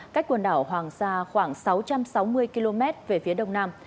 cách quần đảo hoàng sa khoảng sáu trăm sáu mươi km về phía đông nam